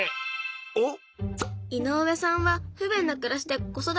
おっ！